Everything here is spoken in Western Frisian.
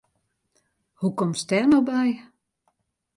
Hoe komst dêr no by?